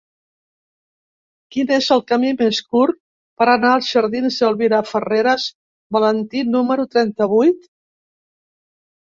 Quin és el camí més curt per anar a la jardins d'Elvira Farreras Valentí número trenta-vuit?